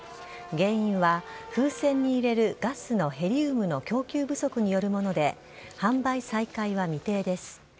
原因は、風船に入れるガスのヘリウムの供給不足によるもので、販売再開は未定です。